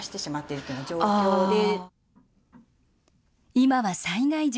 今は災害時。